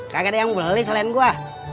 kagak ada yang beli selain gua